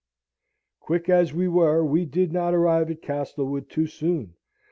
Quick as we were, we did not arrive at Castlewood too soon.